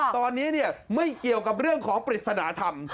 ตอนนี้ไม่เกี่ยวกับเรื่องของปริศนาธรรม